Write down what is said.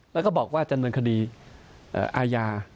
แล้วเค้าบอกว่าอาจารย์บริณค่าดีอายา